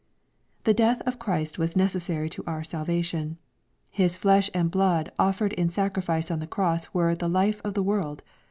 The death of Christ was necessary to our salvation. His flesh and blood offered in sacrifice on the cross were " the life of the world."